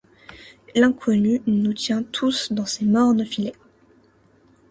L’Inconnu nous tient tous dans ses mornes filets.